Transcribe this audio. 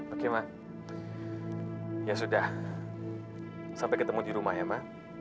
oke mak ya sudah sampai ketemu di rumah ya mak